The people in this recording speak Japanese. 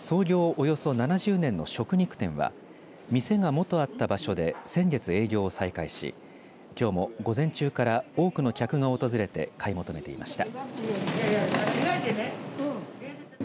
およそ７０年の食肉店は店がもとあった場所で先月営業を再開しきょうも午前中から多くの客が訪れて買い求めていました。